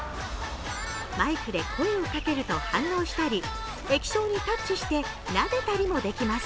マイクで声をかけると、反応したり液晶にタッチしてなでたりもできます。